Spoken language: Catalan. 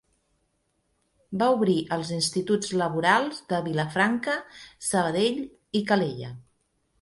Va obrir els instituts laborals de Vilafranca, Sabadell i Calella.